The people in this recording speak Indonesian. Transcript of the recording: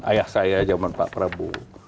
ayah saya zaman pak prabowo